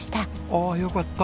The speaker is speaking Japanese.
ああよかった。